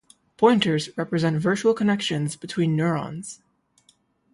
Pointers represent virtual connections between neurons.